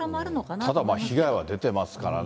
ただ、被害は出てますからね。